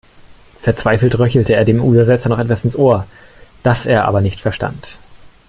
Verzweifelt röchelte er dem Übersetzer noch etwas ins Ohr, das er aber nicht verstand.